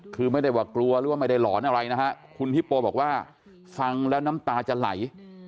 คือไม่ได้ว่ากลัวหรือว่าไม่ได้หลอนอะไรนะฮะคุณฮิปโปบอกว่าฟังแล้วน้ำตาจะไหล